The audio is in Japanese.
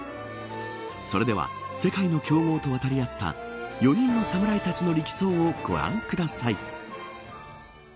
それでは世界の強豪と渡り合った４人の侍たちの力走をご覧ください。